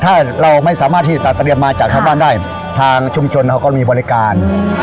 ถ้าเราไม่สามารถที่จะเตรียมมาจากชาวบ้านได้ทางชุมชนเขาก็มีบริการ